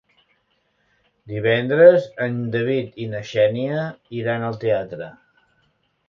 Divendres en David i na Xènia iran al teatre.